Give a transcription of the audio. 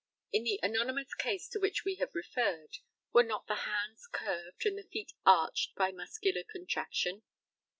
In the anonymous case to which we have referred were not the hands curved and the feet arched by muscular contraction?